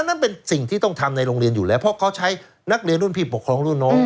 นั่นเป็นสิ่งที่ต้องทำในโรงเรียนอยู่แล้วเพราะเขาใช้นักเรียนรุ่นพี่ปกครองรุ่นน้อง